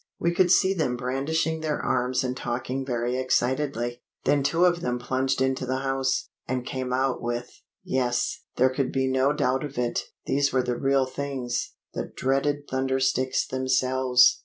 We could see them brandishing their arms and talking very excitedly. Then two of them plunged into the house, and came out with yes, there could be no doubt of it; these were the real things the dreaded thunder sticks themselves.